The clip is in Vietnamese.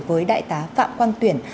với đại tá phạm quang tuyển